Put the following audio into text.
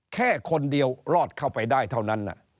แค่คนเดียวรอดเข้าไปได้เท่านั้น